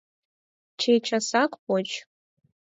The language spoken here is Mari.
Чечасак поч!